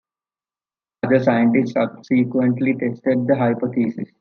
Other scientists subsequently tested the hypothesis.